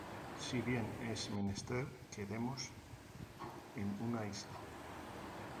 Si bien es menester que demos en una isla.